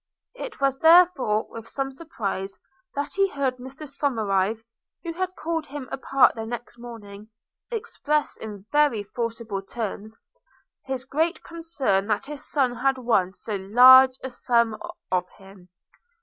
It was therefore with some surprise that he heard Mr Somerive, who had called him apart the next morning, express, in very forcible terms, his great concern that his son had won so large a sum of him.